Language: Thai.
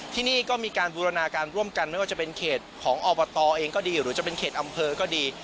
ที่นี่ก็มีการบูรณาการร่วมกันไม่ว่าจะเป็นเขตของอบตเองก็ดีหรือจะเป็นเขตอำเภอก็ดี